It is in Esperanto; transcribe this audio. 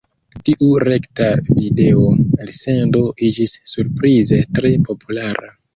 Tiu rekta video-elsendo iĝis surprize tre populara.